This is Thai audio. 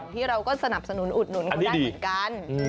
ที่เราก็สนับสนุนอุดหนุนเขาได้เหมือนกัน